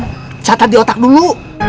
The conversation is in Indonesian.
gak bawa buku